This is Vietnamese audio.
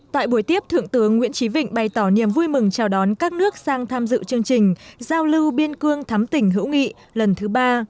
tại buổi tiếp thượng tướng nguyễn trí vịnh bày tỏ niềm vui mừng chào đón các nước sang tham dự chương trình giao lưu biên cương thắm tỉnh hữu nghị lần thứ ba